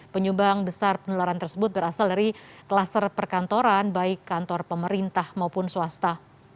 penyumbang besar penularan tersebut berasal dari kluster perkantoran baik kantor pemerintah maupun swasta